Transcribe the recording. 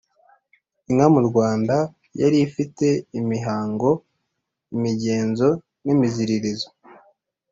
inka mu rwanda yari ifite imihango, imigenzo n’imiziririzo